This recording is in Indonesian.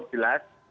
itu sudah jelas